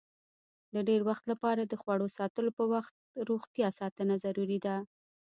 د ډېر وخت لپاره د خوړو ساتلو په وخت روغتیا ساتنه ضروري ده.